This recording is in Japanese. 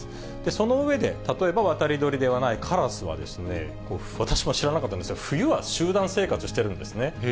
その上で、例えば渡り鳥ではないカラスは、私も知らなかったんですが、冬は集団生活してるんですね。